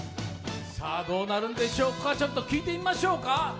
どうなるんでしょうか聞いてみましょうか。